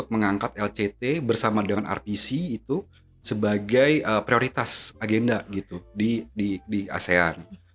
mengangkat lct bersama dengan rtc itu sebagai prioritas agenda gitu di asean